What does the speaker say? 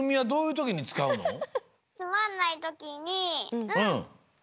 うん！